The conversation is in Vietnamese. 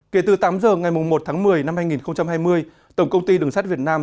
kể từ tám giờ ngày một tháng một mươi năm hai nghìn hai mươi tổng công ty đường sắt việt nam